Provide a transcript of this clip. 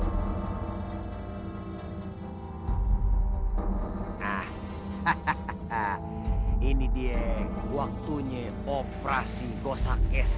nah hahahaha ini dia waktunya operasi gosak esek